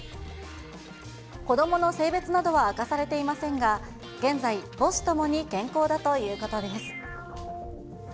子どもの性別などは明かされていませんが、現在、母子ともに健康だということです。